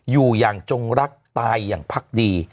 อยู่อย่างจงรักตายอย่างพักดี